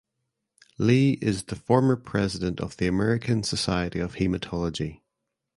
Lee is the former President of the American Society of Hematology.